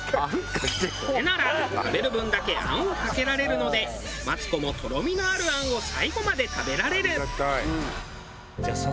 これなら食べる分だけ餡をかけられるのでマツコもとろみのある餡を最後まで食べられる。